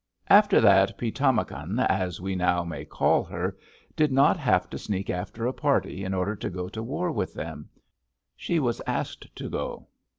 "After that Pi´tamakan, as we now may call her, did not have to sneak after a party in order to go to war with them: she was asked to go.